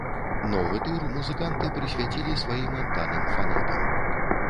Новы тур музыканты прысвяцілі сваім адданым фанатам.